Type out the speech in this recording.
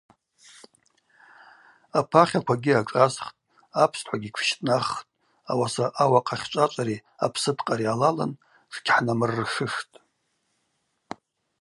Апахь аквагьи ашӏасхтӏ, апстхӏвагьи тшщтӏнаххтӏ, ауаса ауахъ ахьчӏвачӏвари апсыткъари алалын тшгьхӏнамырршыштӏ.